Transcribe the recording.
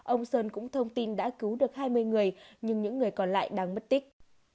ông sơn cũng thông tin đã cứu được hai mươi người nhưng những người còn lại đang mất tích